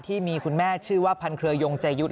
ที่มีคุณแม่ชื่อว่าพันเครือยงใจยุทธ์